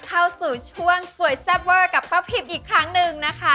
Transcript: เข้าสู่ช่วงสวยแซ่บเวอร์กับป้าพิมอีกครั้งหนึ่งนะคะ